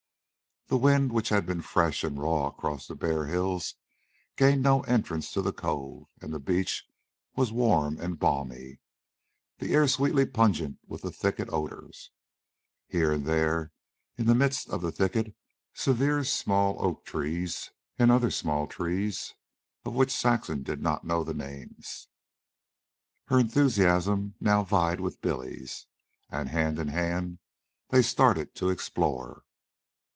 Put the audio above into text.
The wind, which had been fresh and raw across the bare hills, gained no entrance to the cove; and the beach was warm and balmy, the air sweetly pungent with the thicket odors. Here and there, in the midst of the thicket, severe small oak trees and other small trees of which Saxon did not know the names. Her enthusiasm now vied with Billy's, and, hand in hand, they started to explore.